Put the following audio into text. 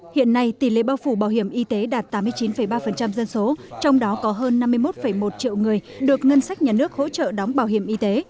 hiện nay tỷ lệ bao phủ bảo hiểm y tế đạt tám mươi chín ba dân số trong đó có hơn năm mươi một một triệu người được ngân sách nhà nước hỗ trợ đóng bảo hiểm y tế